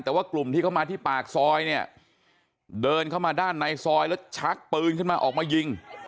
แต่ว่ากลุ่มที่เข้ามาที่ปากซอยเนี่ยเดินเข้ามาด้านในซอยแล้วชักปืนขึ้นมาออกมายิง